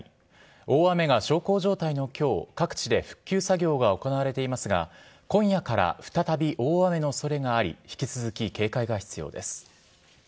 大雨が小康状態のきょう、各地で復旧作業が行われていますが、今夜から再び大雨のおそれがあり、引き続き警戒が必要です。